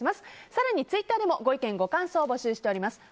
更にツイッターでもご意見ご感想をお待ちしております。